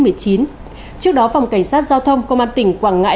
trước đó phòng cảnh sát giao thông công an tỉnh quảng ngãi